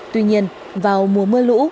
tuy nhiên vào mùa mưa lũ